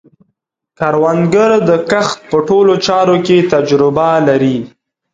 کروندګر د کښت په ټولو چارو کې تجربه لري